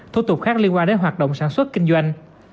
thủ tục khác liên quan đến hoạt động sản xuất kinh doanh